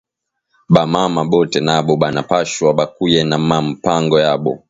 Ba mama bote nabo bana pashwa bakuye na ma mpango yabo